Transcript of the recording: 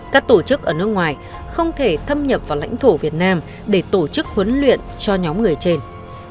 các tổ chức ở nước ngoài không thể thâm nhập vào lãnh thổ việt nam để tổ chức huấn luyện cho nhóm người trang bị huấn luyện